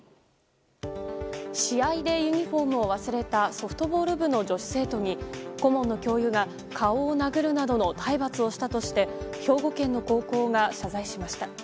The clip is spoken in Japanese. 試合でユニホームを忘れたソフトボール部の女子生徒に顧問の教諭が顔を殴るなどの体罰をしたとして兵庫県の高校が謝罪しました。